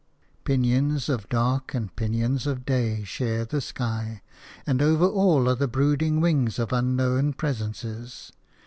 Pinions of dark and pinions of day share the sky, and over all are the brooding wings of unknown presences.